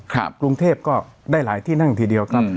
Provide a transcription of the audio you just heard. กรุงเทพก็ได้หลายที่นั่งทีเดียวครับ